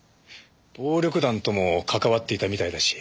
暴力団ともかかわっていたみたいだし。